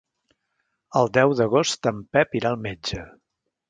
El deu d'agost en Pep irà al metge.